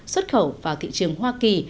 xuất khẩu vào thị trường hoa kỳ